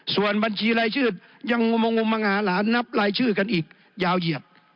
ส่วนบัญชีรายชื่อยังงมมางาหลานนับรายชื่อกันอีกยาวเหยียบ